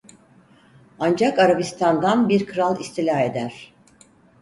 Ancak Arabistan'dan bir kral istila eder.